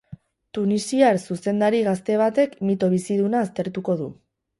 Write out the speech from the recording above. Tunisiar zuzendari gazte batek mito biziduna aztertuko du.